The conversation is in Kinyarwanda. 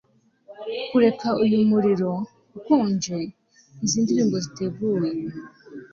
kureka uyu muriro ukonje, izi ndirimbo ziteguye